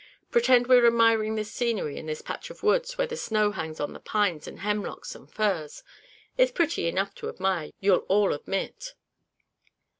Pretend we're admiring the scenery in this patch of woods where the snow hangs on the pines and hemlocks and firs. It's pretty enough to admire, you'll all admit."